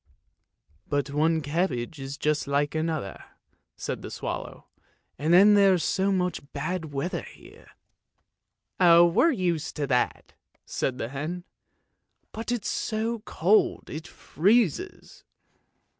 " But one cabbage is just like another," said the swallow, " and then there's so much bad weather here! " OLE LUKOIE, THE DUSTMAN 357 " Oh, we're used to that," said the hen. " But it's so cold, it freezes."